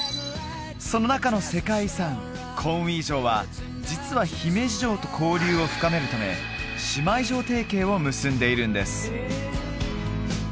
その中の世界遺産コンウィ城は実は姫路城と交流を深めるため姉妹城提携を結んでいるんです